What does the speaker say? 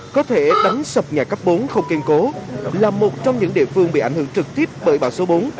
có thể đánh sập nhà cấp bốn không kiên cố là một trong những địa phương bị ảnh hưởng trực tiếp bởi bão số bốn